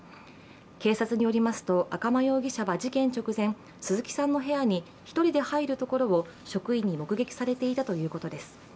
警察によりますと、赤間容疑者は事件直前、鈴木さんの部屋に１人で入るところを職員に目撃されていたということです。